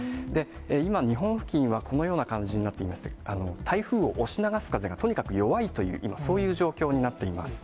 今、日本付近は、このような感じになっていまして、台風を押し流す風がとにかく弱いという、今、そういう状況になっています。